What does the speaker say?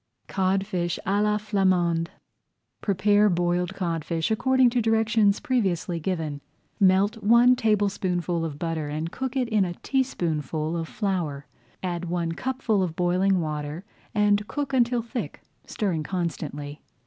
CODFISH À LA FLAMANDE Prepare boiled codfish according to directions previously given. Melt one tablespoonful of butter and cook in it a teaspoonful of flour. Add one cupful of boiling water and cook until thick, stirring constantly.